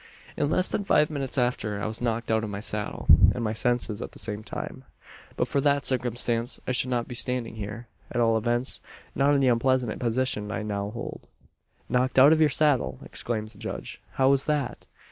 "In less than five minutes after, I was knocked out of my saddle and my senses at the same time. "But for that circumstance I should not be standing here, at all events, not in the unpleasant position I now hold." "Knocked out of your saddle!" exclaims the judge. "How was that?"